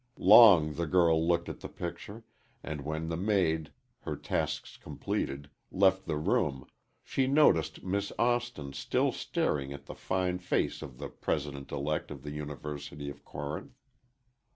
Long the girl looked at the picture, and when the maid, her tasks completed, left the room, she noticed Miss Austin still staring at the fine face of the President elect of the University of Corinth.